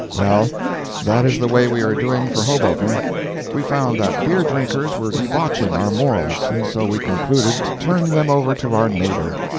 Well that is the way we are doing for Hoboken. We found that beer drinkers were debauching our morals, and so we concluded to turn them over to our neighbor.